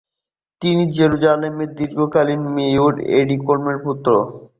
তিনি জেরুজালেমের দীর্ঘকালীন mayor teddy কোল্লেকের পুত্র।